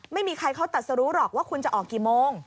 ไม่มีใครเขาตัดสรุหรอกว่าคุณจะออกกี่โมง